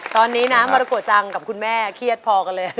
ตอนนี้น้ำมรโกจังกับคุณแม่เครียดพอกันเลย